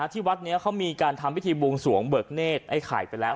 ที่วัดนี้เขามีการทำพิธีบวงสวงเบิกเนธไอ้ไข่ไปแล้ว